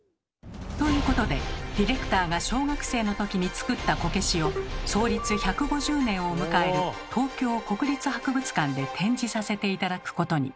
ということでディレクターが小学生の時に作ったこけしを創立１５０年を迎える東京国立博物館で展示させて頂くことに。